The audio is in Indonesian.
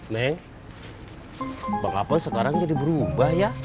neng bang apoi sekarang jadi berubah ya